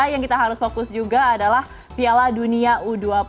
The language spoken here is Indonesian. yang kita harus fokus juga adalah piala dunia u dua puluh